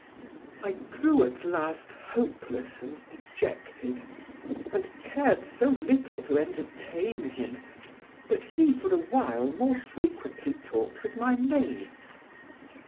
"I grew at last hopeless and dejected, and cared so little to entertain him, that he for a while more frequently talked with my maids.